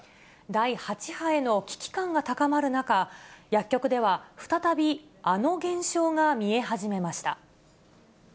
第８波への危機感が高まる中、薬局では再び、あの現象が見え始めました。